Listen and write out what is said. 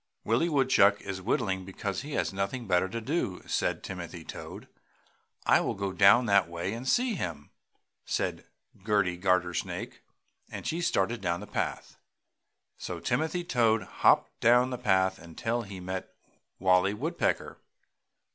"Willie Woodchuck is whittling because he has nothing better to do!" said Timothy Toad. "I will go down that way and see him!" said Gerty Gartersnake, and she started down the path. So Timothy Toad hopped down the path until he met Wallie Woodpecker.